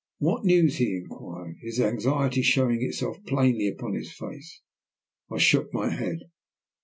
"What news?" he inquired, his anxiety showing itself plainly upon his face. I shook my head.